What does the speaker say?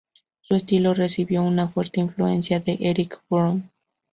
Su estilo recibió una fuerte influencia de Erik Bruhn.